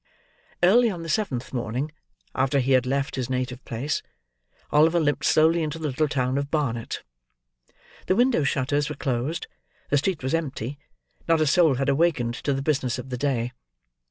Early on the seventh morning after he had left his native place, Oliver limped slowly into the little town of Barnet. The window shutters were closed; the street was empty; not a soul had awakened to the business of the day.